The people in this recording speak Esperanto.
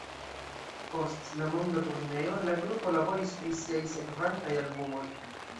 Post la monda turneo, la grupo laboris pri siaj sekvantaj albumoj.